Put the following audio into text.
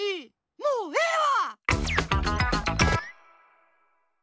もうええわ！